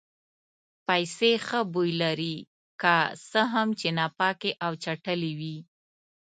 پیسې ښه بوی لري که څه هم چې ناپاکې او چټلې وي.